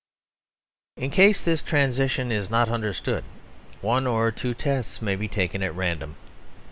In case this transition is not understood, one or two tests may be taken at random.